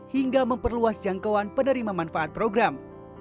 hingga memperluas jangkauan penerima manfaat program